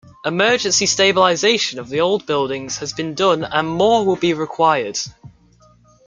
Emergency stabilization of the old buildings has been done and more will be required.